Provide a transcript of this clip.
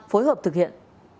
phối hợp thực hiện